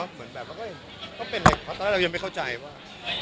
เหมือนแบบว่าเค้าเป็นเหล็กแต่ตอนนั้นเรายังไม่เข้าใจว่า